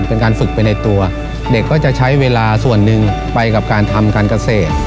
เป็นการฝึกไปในตัวเด็กก็จะใช้เวลาส่วนหนึ่งไปกับการทำการเกษตร